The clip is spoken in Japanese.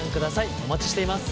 お待ちしています。